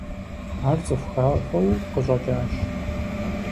Ар цӏыху хахуэу къыщӏэкӏащ.